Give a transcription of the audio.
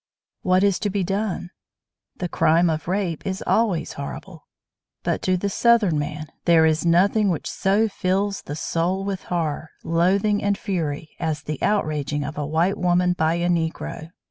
What is to be done? The crime of rape is always horrible, but the Southern man there is nothing which so fills the soul with horror, loathing and fury as the outraging of a white woman by a Negro.